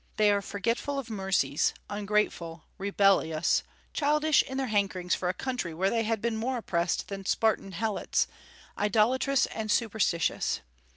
They are forgetful of mercies, ungrateful, rebellious, childish in their hankerings for a country where they had been more oppressed than Spartan Helots, idolatrous, and superstitious.